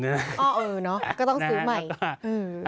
เออเนอะก็ต้องซื้อใหม่